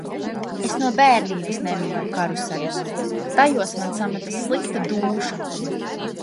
Es no bērnības nemīlu karuseļus. Tajos man sametas slikta dūša!